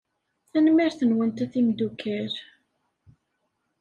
Tanemmirt-nwent a timeddukal.